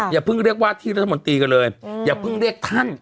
อย่าเพิ่งเรียกว่าที่รัฐมนตรีกันเลยอย่าเพิ่งเรียกท่าน